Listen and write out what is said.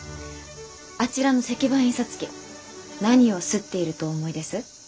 あちらの石版印刷機何を刷っているとお思いです？